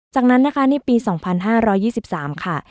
จากนั้นนะคะในปี๒๕๒๓ค่ะ